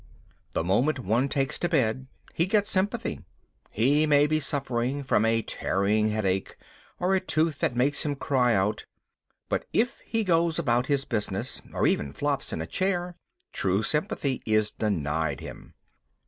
The moment one takes to bed he gets sympathy. He may be suffering from a tearing headache or a tooth that makes him cry out; but if he goes about his business, or even flops in a chair, true sympathy is denied him.